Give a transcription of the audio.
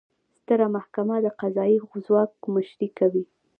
ستره محکمه د قضایي ځواک مشري کوي